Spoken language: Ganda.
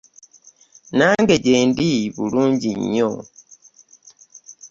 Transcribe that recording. Nange gyendi bulungi nnyo.